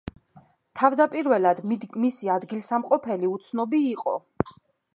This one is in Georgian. თავდაპირველად მისი ადგილსამყოფელი უცნობი იყო.